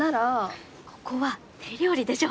ここは手料理でしょ。